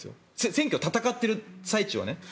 選挙、戦っている最中ね。